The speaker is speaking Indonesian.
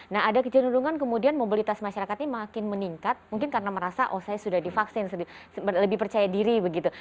nah ada kecenderungan kemudian mobilitas masyarakat ini makin meningkat mungkin karena merasa oh saya sudah divaksin lebih percaya diri begitu